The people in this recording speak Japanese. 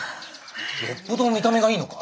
よっぽど見た目がいいのか？